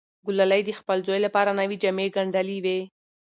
ګلالۍ د خپل زوی لپاره نوې جامې ګنډلې وې.